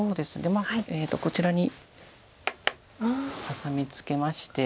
まあこちらにハサミツケまして。